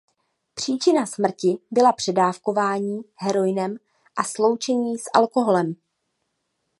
Příčina smrti byla předávkování heroinem a sloučení s alkoholem.